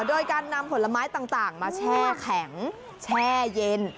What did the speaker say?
โดยการนำผลไม้ต่างมาแช่แข็งแช่เย็น